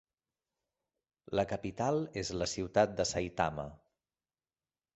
La capital és la ciutat de Saitama.